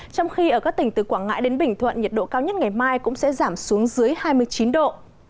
trong khi ở các tỉnh từ quảng ngãi đến bình thuận nhiệt độ cao nhất ngày mai cũng sẽ giảm xuống dưới hai mươi chín độ